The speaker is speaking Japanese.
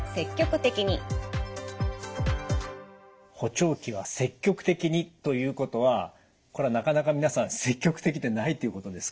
「補聴器は積極的に」ということはこれはなかなか皆さん積極的でないということですか。